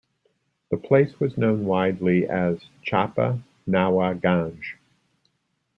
The place was known widely as Chapai Nawabganj.